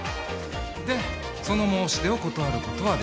でその申し出を断ることはできない。